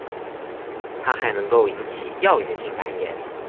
它还能够引起药源性肝炎。